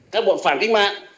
các bọn phản kích mạng